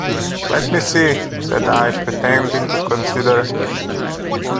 "Let me see," said I, pretending to consider.